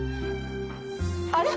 あれ！？